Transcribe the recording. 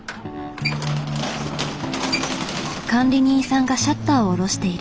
管理人さんがシャッターを降ろしている。